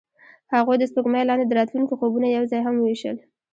هغوی د سپوږمۍ لاندې د راتلونکي خوبونه یوځای هم وویشل.